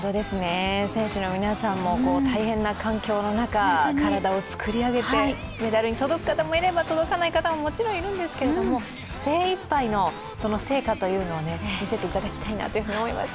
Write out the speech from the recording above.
選手の皆さんも大変な環境の中、体を作り上げてメダルに届く方もいれば、届かない方ももちろんいるんですが精いっぱいの成果というのを見せていただきたいなと思います。